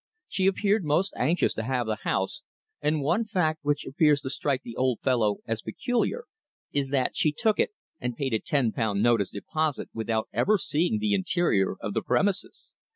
She appeared most anxious to have the house, and one fact which appears to strike the old fellow as peculiar is that she took it and paid a ten pound note as deposit without ever seeing the interior of the premises.